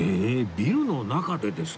ビルの中でですか？